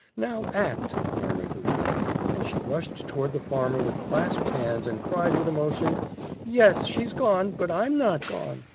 "Now, ACT!" murmured the widow, and she rushed toward the farmer with clasped hands, and cried with emotion, "Yes, she's gone; but I'm not gone.